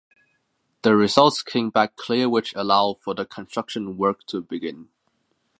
The results came back clear which allowed for the construction work to begin.